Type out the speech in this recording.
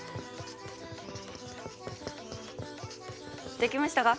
できましたか？